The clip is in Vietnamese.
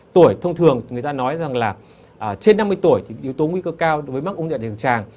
tuổi thông thường người ta nói rằng là trên năm mươi tuổi thì yếu tố nguy cơ cao với mắc ung thư đại trực tràng